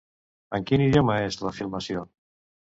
En quin idioma és la filmació?